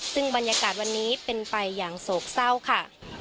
ซึ่งบรรยากาศวันนี้เป็นไปอย่างโศกเศร้าค่ะ